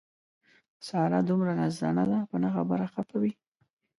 ساره دومره نازدان ده په نه خبره خپه وي.